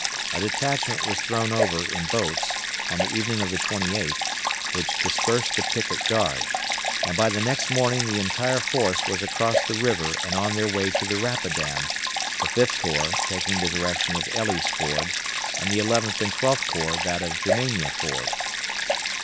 A detachment was thrown over, in boats, on the evening of the 28th, which dispersed the picket guard; and by the next morning the entire force was across the river and on their way to the Rapidan, the Fifth Corps taking the direction of Elley's Ford and the Eleventh and Twelfth Corps that of Germania Ford.